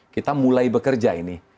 kita mulai bekerja ini